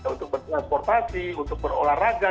untuk bertransportasi untuk berolahraga